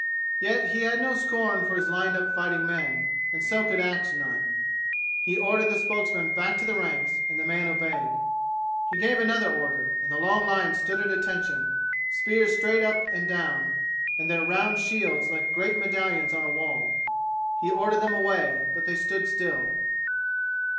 Yet he had no scorn for his lined up fighting men, and so could act none. He ordered the spokesman back to the ranks, and the man obeyed. He gave another order, and the long lines stood at attention, spears straight up and down, and their round sheilds like great medallions on a wall. He ordered them away, but they stood still.